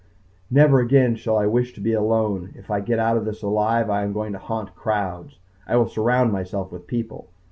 Never again shall I wish to be alone. If I get out of this alive I am going to haunt crowds. I will surround myself with people.